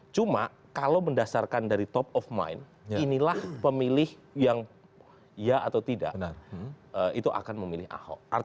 cuma kalau mendasarkan dari top of mind inilah pemilih yang ya atau tidak itu akan memilih ahok